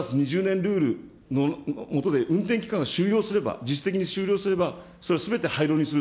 ルールの下で運転期間が終了すれば、時期的に終了すれば、これはすべて廃炉をする。